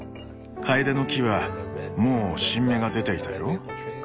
カエデの木はもう新芽が出ていたよ。